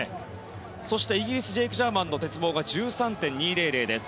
そして、イギリスジェイク・ジャーマンの鉄棒が１３．２００です。